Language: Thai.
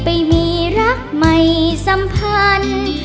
ไปมีรักใหม่สัมพันธ์